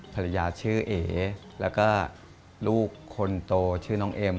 ภรรยาชื่อเอแล้วก็ลูกคนโตชื่อน้องเอ็ม